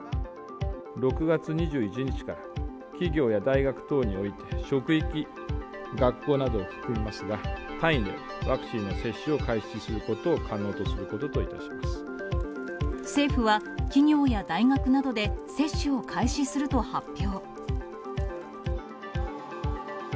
６月２１日から、企業や大学等において、職域、学校などを含みますが、単位でワクチンの接種を開始することを可能とすることといたしま政府は、企業や大学などで、接種を開始すると発表。